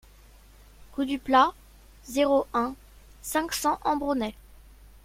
Rue du Plat, zéro un, cinq cents Ambronay